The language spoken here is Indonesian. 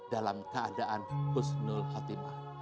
dalam keadaan husnul hatimah